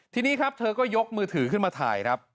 ทีนี้ครับเธอก็ยกมือถือขึ้นมาถ่ายครับ